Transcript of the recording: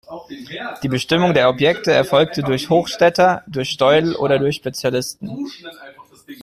Die Bestimmung der Objekte erfolgte durch Hochstetter, durch Steudel oder durch Spezialisten.